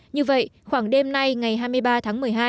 như vậy khoảng đêm nay ngày hai mươi ba tháng một mươi hai